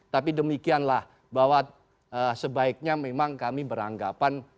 tapi demikianlah bahwa sebaiknya memang kami beranggapan